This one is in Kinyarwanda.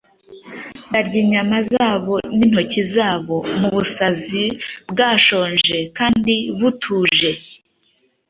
Barya inyama zabo nintoki zabo mubusazi bwashonje kandi butuje